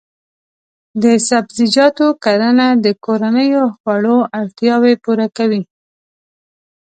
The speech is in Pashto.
د سبزیجاتو کرنه د کورنیو خوړو اړتیاوې پوره کوي.